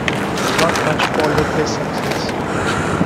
Not much followed this success.